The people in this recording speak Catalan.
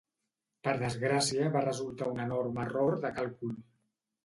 Per desgràcia va resultar un enorme error de càlcul.